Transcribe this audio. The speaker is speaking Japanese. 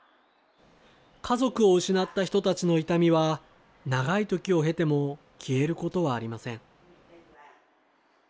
家族を失った人たちの痛みは、長い時を経ても消えることはありません。